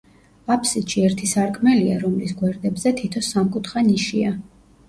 აფსიდში ერთი სარკმელია, რომლის გვერდებზე თითო სამკუთხა ნიშია.